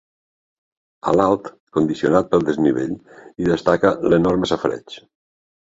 A l'alt, condicionat pel desnivell, hi destaca l'enorme safareig.